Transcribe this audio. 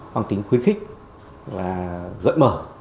hoang tính khuyến khích và gợi mở